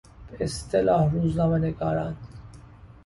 به اصطلاح روزنامه نگاران